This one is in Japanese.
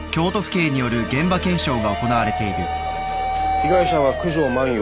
被害者は九条万葉。